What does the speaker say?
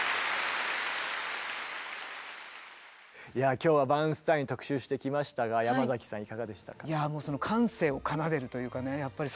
今日はバーンスタイン特集してきましたがヤマザキさんいかがでしたか？